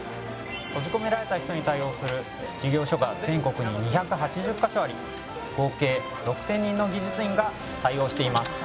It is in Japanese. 閉じ込められた人に対応する事業所が全国に２８０カ所あり合計６０００人の技術員が対応しています。